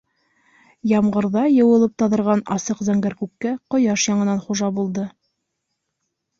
Ямғырҙа йыуылып таҙарған асыҡ зәңгәр күккә ҡояш яңынан хужа булды.